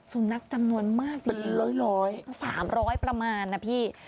สูนักจำนวนมากจริงจริงเป็นร้อยร้อยสามร้อยประมาณน่ะพี่